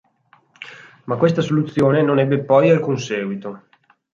Ma questa soluzione non ebbe poi alcun seguito.